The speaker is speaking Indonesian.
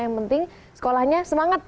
yang penting sekolahnya semangat